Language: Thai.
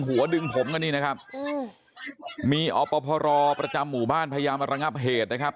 หัวดึงผมกันนี่นะครับมีอพรประจำหมู่บ้านพยายามมาระงับเหตุนะครับ